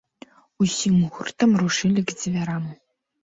Усім гуртам рушылі к дзвярам.